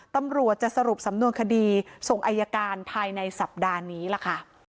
ตำรวจจะสรุปสำนวนคดีส่งอายการภายในสัปดาห์นี้ล่ะค่ะ